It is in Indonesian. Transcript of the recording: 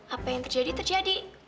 apa yang terjadi terjadi